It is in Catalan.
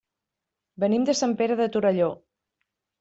Venim de Sant Pere de Torelló.